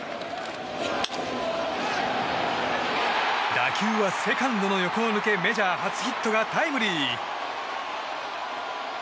打球はセカンドの横を抜けメジャー初ヒットがタイムリー！